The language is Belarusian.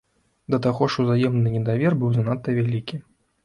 Да таго ж узаемны недавер быў занадта вялікі.